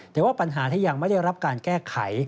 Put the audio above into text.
แต่ว่าปัญหาที่ยังไม่ได้รับการแก้ไข